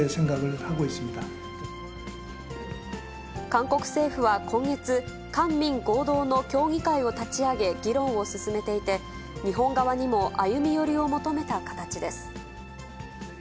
韓国政府は今月、官民合同の協議会を立ち上げ、議論を進めていて、日本側にも歩み寄りを求めた形です。